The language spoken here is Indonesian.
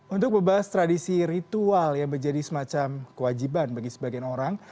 untuk membahas tradisi ritual yang menjadi semacam kewajiban bagi sebagian orang